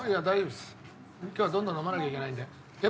今日はどんどん飲まなきゃいけないんで。